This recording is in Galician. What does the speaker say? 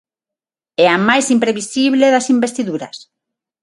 É a máis imprevisible das investiduras.